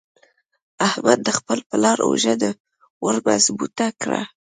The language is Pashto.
احمد د خپل پلار اوږه ور مضبوطه کړه.